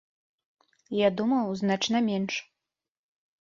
Я думаў, значна менш.